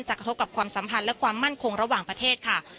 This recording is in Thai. กระทบกับความสัมพันธ์และความมั่นคงระหว่างประเทศค่ะ